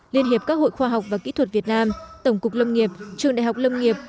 liên hiệp các hội khoa học và kỹ thuật việt nam tổng cục lâm nghiệp trường đại học lâm nghiệp